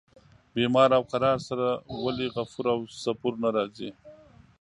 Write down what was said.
بیمار او قرار سره ولي غفور او سپور نه راځي.